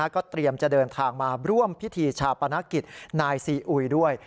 ก็เตรียมจะเดินทางมาร่วมพิธีชาปนกิจนายซีอุยด้วย